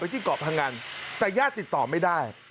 ที่เกาะพังอันแต่ญาติติดต่อไม่ได้